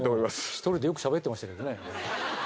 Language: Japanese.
１人でよく喋ってましたけどね。